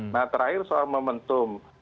nah terakhir soal momentum